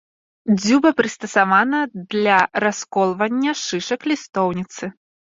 Дзюба прыстасавана для расколвання шышак лістоўніцы.